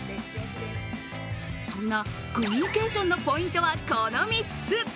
そんなグミニケーションのポイントは、この３つ。